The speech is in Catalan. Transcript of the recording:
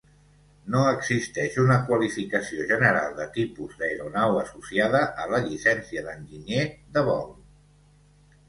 No existeix una qualificació general de tipus d'aeronau associada a la llicència d'enginyer de vol.